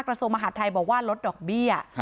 กระทรวงมหาดไทยบอกว่าลดดอกเบี้ย